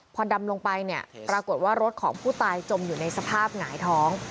พอดำลงไปเนี่ยปรากฏว่ารถของผู้ตายจมอยู่ในสภาพหงายท้อง